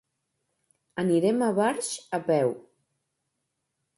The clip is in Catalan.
Anirem a Barx a peu.